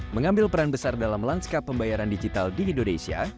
mengambil peran besar dalam lanskap pembayaran digital di indonesia